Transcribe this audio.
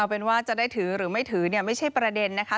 เป็นว่าจะได้ถือหรือไม่ถือเนี่ยไม่ใช่ประเด็นนะคะ